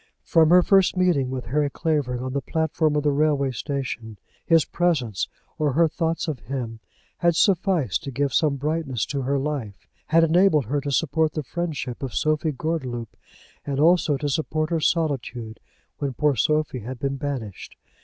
From her first meeting with Harry Clavering on the platform of the railway station his presence, or her thoughts of him, had sufficed to give some brightness to her life, had enabled her to support the friendship of Sophie Gordeloup, and also to support her solitude when poor Sophie had been banished.